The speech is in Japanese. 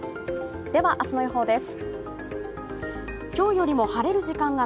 では明日の予報です。